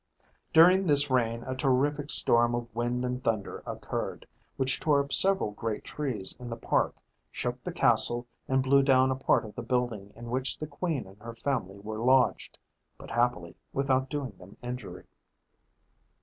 During this reign a terrific storm of wind and thunder occurred, which tore up several great trees in the park, shook the castle, and blew down a part of the building in which the queen and her family were lodged, but happily without doing them injury.